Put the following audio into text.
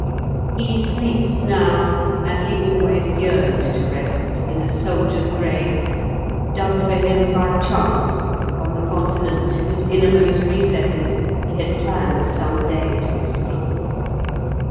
He sleeps now, as he always yearned to rest, in a soldier's grave, dug for him by chance on the continent whose innermost recesses he had planned some day to explore.